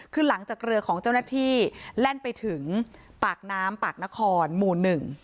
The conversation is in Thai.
คือหลังจากเรือของเจ้าหน้าที่แล่นไปถึงปากน้ำปากนครหมู่หนึ่ง